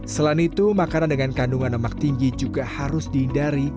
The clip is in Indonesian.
selain itu makanan dengan kandungan lemak tinggi juga harus dihindari